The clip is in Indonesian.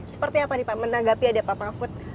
seperti apa nih pak menanggapi ada perubahan